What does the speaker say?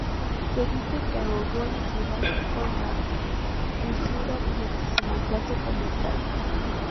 Se dice que ahogó la ciudad con la usura durante su mandato como alcalde.